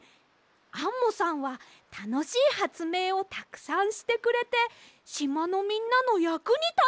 アンモさんはたのしいはつめいをたくさんしてくれてしまのみんなのやくにたっています！